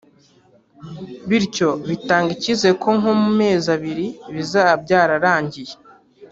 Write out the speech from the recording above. bityo bitanga icyizere ko nko mu mezi abiri bizaba byararangiye …